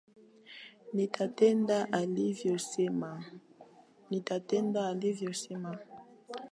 Nitatenda alivyo sema.